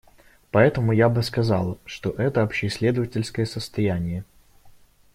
Поэтому я бы сказала, что это общеисследовательское состояние.